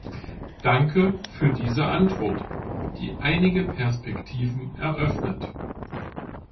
Danke für diese Antwort, die einige Perspektiven eröffnet.